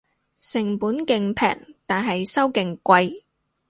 成本勁平但係收勁貴